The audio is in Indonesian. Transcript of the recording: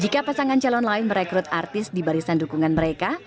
jika pasangan calon lain merekrut artis di barisan dukungan mereka